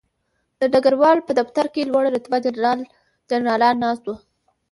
د ډګروال په دفتر کې لوړ رتبه جنرالان ناست وو